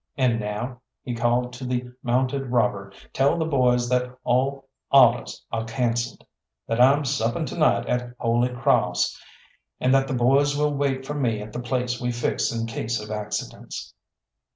And now," he called to the mounted robber, "tell the boys that all awdehs are cancelled, that I'm supping to night at Holy Crawss, and that the boys will wait for me at the place we fixed in case of accidents."